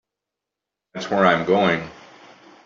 That's where I'm going.